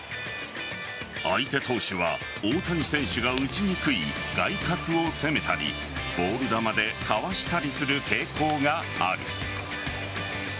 相手投手は大谷選手が打ちにくい外角を攻めたりボール球でかわしたりする傾向がある。